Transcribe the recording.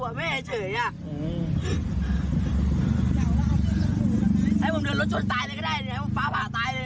ให้ผมเดินรถชนตายเลยก็ได้ให้พระป่าตายเลย